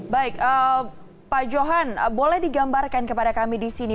baik pak johan boleh digambarkan kepada kami di sini